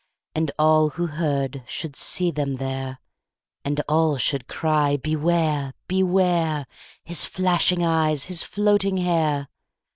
And all who heard should see them there, And all should cry, Beware! Beware! His flashing eyes, his floating hair!